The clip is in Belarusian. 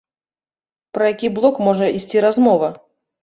Пра які блок можа ісці размова?